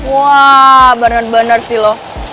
wah benar benar sih loh